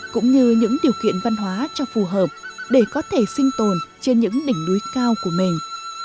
cũng như những điều kiện văn hóa cho phù hợp để có thể sinh tồn trên những đỉnh núi cao của mình